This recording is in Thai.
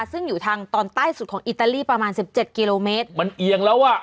ซึ่งอยู่ทางตอนใต้สุดของอิตาลีประมาณสิบเจ็ดกิโลเมตรมันเอียงแล้วอ่ะ